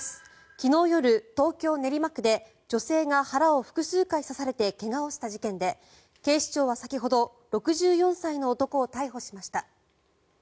昨日夜、東京・練馬区で女性が腹を複数回刺されて怪我をした事件で警視庁は先ほど６４歳の男を逮捕しました。